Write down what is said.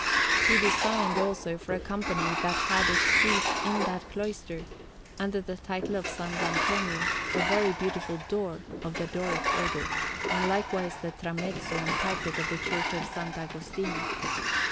He designed, also, for a Company that had its seat in that cloister, under the title of S. Antonio, a very beautiful door of the Doric Order; and likewise the tramezzo and pulpit of the Church of S. Agostino.